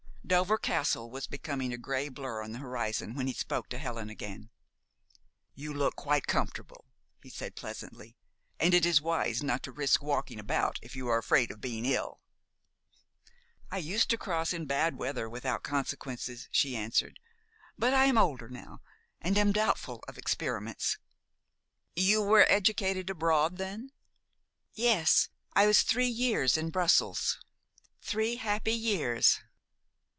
Dover Castle was becoming a gray blur on the horizon when he spoke to Helen again. "You look quite comfortable," he said pleasantly, "and it is wise not to risk walking about if you are afraid of being ill." "I used to cross in bad weather without consequences," she answered; "but I am older now, and am doubtful of experiments." "You were educated abroad, then?" "Yes. I was three years in Brussels three happy years."